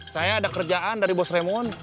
saya ada kerjaan dari bos remon